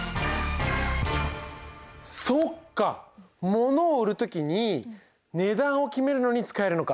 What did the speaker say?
物を売る時に値段を決めるのに使えるのか。